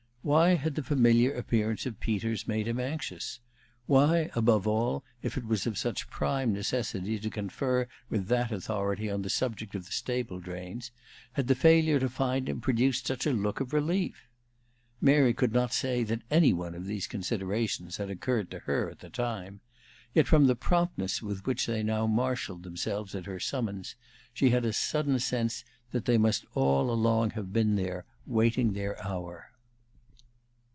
Why had the familiar appearance of Peters made him anxious? Why, above all, if it was of such prime necessity to confer with that authority on the subject of the stable drains, had the failure to find him produced such a look of relief? Mary could not say that any one of these considerations had occurred to her at the time, yet, from the promptness with which they now marshaled themselves at her summons, she had a sudden sense that they must all along have been there, waiting their hour.